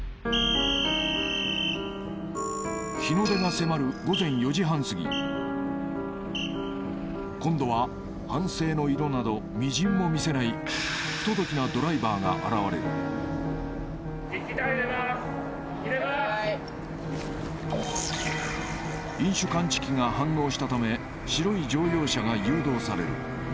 日の出が迫る午前４時半すぎ今度は反省の色などみじんも見せない不届きなドライバーが現れるしたため白い乗用車が誘導される